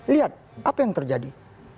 lihat apa yang terjadi